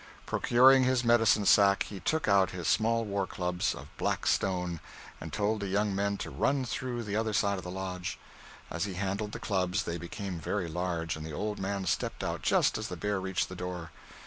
Procuring his medicine sack, he took out his small war clubs of black stone, and told the young men to run through the other side of the lodge. As he handled the clubs, they became very large, and the old man stepped out just as the bear reached the door.